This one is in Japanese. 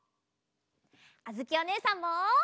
あづきおねえさんも！